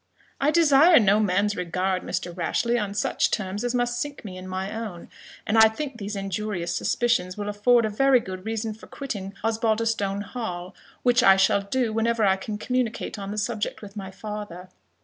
"I desire no man's regard, Mr. Rashleigh, on such terms as must sink me in my own; and I think these injurious suspicions will afford a very good reason for quitting Osbaldistone Hall, which I shall do whenever I can communicate on the subject with my father."